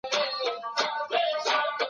پوهېدل د انسان حق دی.